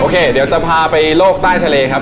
เดี๋ยวจะพาไปโลกใต้ทะเลครับ